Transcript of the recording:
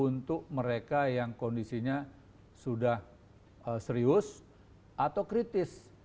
untuk mereka yang kondisinya sudah serius atau kritis